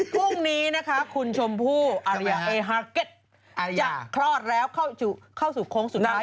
พรุ่งนี้นะคะคุณชมพู่อารยาเอฮาเก็ตจะคลอดแล้วเข้าสู่โค้งสุดท้าย